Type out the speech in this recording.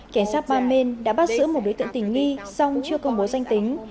cảnh sát bang maine đã bắt giữ một đối tượng tình nghi song chưa công bố danh tính